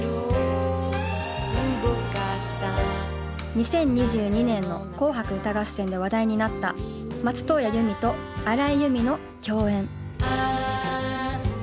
２０２２年の「紅白歌合戦」で話題になった松任谷由実と荒井由実の共演。